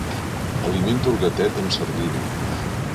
Alimento el gatet amb sardina.